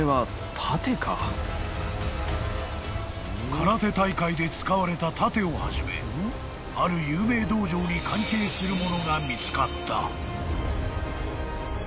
［空手大会で使われた盾をはじめある有名道場に関係するものが見つかった］